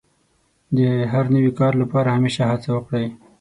د هر نوي کار لپاره همېشه هڅه وکړئ.